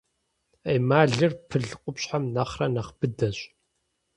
Эмалыр пыл къупщхьэм нэхърэ нэхъ быдэщ.